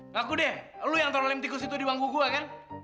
ngaku deh lo yang taruh lem tikus itu di wangku gue kan